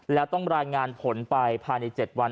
แล้วต้องรายงานผลไปภายใน๗วัน